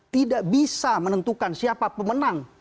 tidak bisa menentukan siapa pemenang